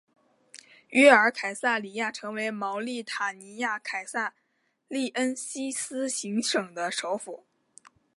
约尔凯撒里亚成为茅利塔尼亚凯撒利恩西斯行省的首府。